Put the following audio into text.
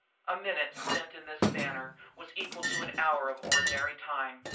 A minute, spent in this manner, was equal to an hour of ordinary time.